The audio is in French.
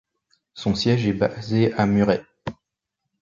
Son siège est basé à Murray.